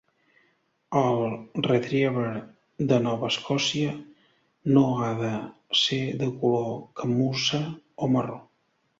El Retriever de Nova Escòcia no ha de ser de color camussa o marró.